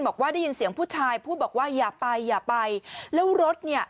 บอกว่าได้ยินเสียงผู้ชายพูดบอกว่าอย่าไปอย่าไปแล้วรถเนี่ย